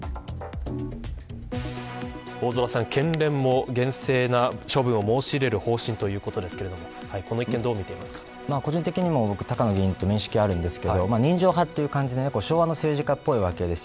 大空さん、県連も厳正な処分を申し入れる方針ということですけれども、この一件個人的にも、高野議員と面識あるんですが人情派という感じで昭和の政治家っぽいわけです。